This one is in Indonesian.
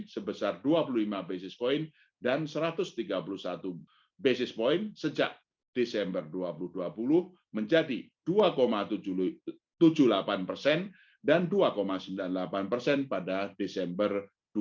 sebesar dua puluh lima basis point dan satu ratus tiga puluh satu basis point sejak desember dua ribu dua puluh menjadi dua tujuh puluh delapan persen dan dua sembilan puluh delapan persen pada desember dua ribu dua puluh